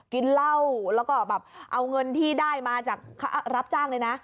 กินเหล้าแล้วก็แบบเอาเงินที่ได้มาจากรับจ้างเลยนะ